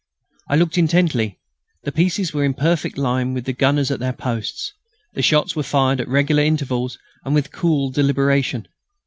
I looked intently. The pieces were in perfect line and the gunners at their posts. The shots were fired at regular intervals and with cool deliberation.